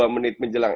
dua menit menjelang